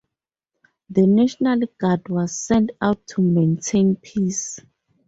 The National Guard was sent out to maintain "peace".